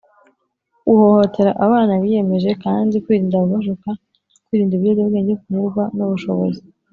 uhohotera abana Biyemeje kandi kwirinda ababashuka kwirinda ibiyobyabwenge kunyurwa n ubushobozi